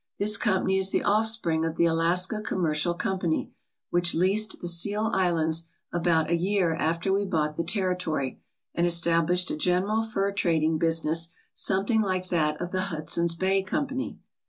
This company is the offspring of the Alaska Commercial Company, which leased the seal islands about a year after we bought the territory and established a general fur trading business something like that of the Hudson's Bay Company.